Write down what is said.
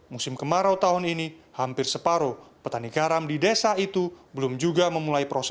musim kemarau tahun ini hampir separuh petani garam di desa itu belum juga memulai proses